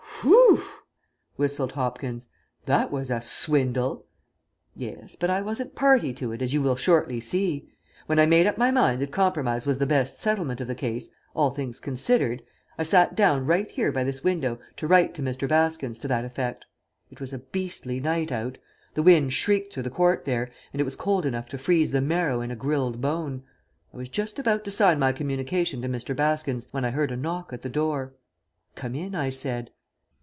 "Phe e ew!" whistled Hopkins. "That was a swindle!" "Yes, but I wasn't party to it, as you will shortly see. When I made up my mind that compromise was the best settlement of the case, all things considered, I sat down right here by this window to write to Mr. Baskins to that effect. It was a beastly night out. The wind shrieked through the court there, and it was cold enough to freeze the marrow in a grilled bone. I was just about to sign my communication to Mr. Baskins, when I heard a knock at the door. "'Come in,' I said.